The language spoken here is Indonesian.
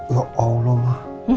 ya allah ma